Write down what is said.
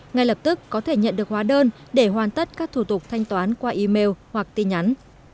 ngay lập tức có thể nhận được hóa đơn để hoàn tất các thủ tục thanh toán qua email hoặc tin nhắn